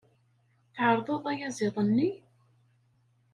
Tεerḍeḍ ayaziḍ-nni?